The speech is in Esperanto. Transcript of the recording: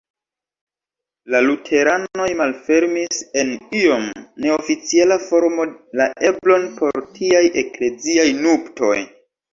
La luteranoj malfermis en iom neoficiala formo la eblon por tiaj ekleziaj nuptoj.